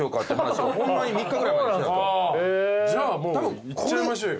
じゃあもういっちゃいましょうよ。